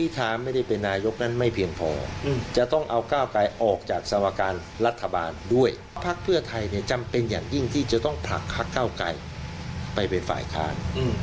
ที่จะต้องผลักภักษ์เก้าไก่ไปเป็นฝ่ายค้าน